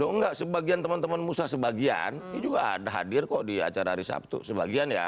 enggak sebagian teman teman musa sebagian ini juga ada hadir kok di acara hari sabtu sebagian ya